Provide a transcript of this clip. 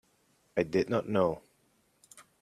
I did not know.